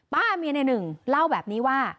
ป้าเมียในหนึ่งเล่าแบบนี้ว่า